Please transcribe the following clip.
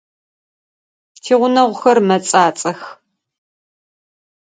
Тигъунэгъухэр мэцӏацӏэх.